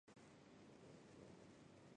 琉科忒亚是希腊神话中一个宁芙。